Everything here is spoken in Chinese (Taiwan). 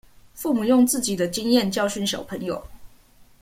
父母用自己的經驗教訓小朋友